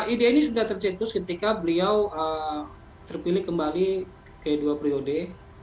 ide ini sudah tercetus ketika beliau terpilih kembali ke dua periode